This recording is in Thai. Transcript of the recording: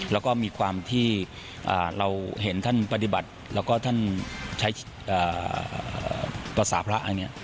แล้วก็มีความที่เราเห็นท่านปฏิบัติแล้วก็ท่านใช้ภาษาพระอันนี้